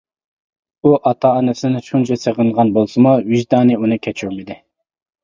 ئۇ ئاتا ئانىسىنى شۇنچە سېغىنغان بولسىمۇ ۋىجدانى ئۇنى كەچۈرمىدى.